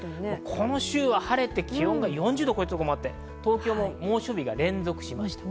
この週は晴れて気温が４０度を超えた所もあって東京も猛暑日が連続しました。